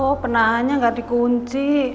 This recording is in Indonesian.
oh penahannya ga dikunci